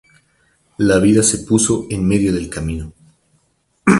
La vida se puso en medio del camino.